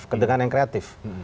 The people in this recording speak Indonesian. ketegangan yang kreatif